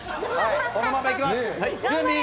このままやります。